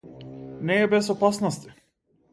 Не е без опасности.